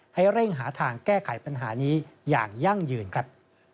ให้เร่งหาทางแก้ไขปัญหานี้อย่างยั่งยืนครับ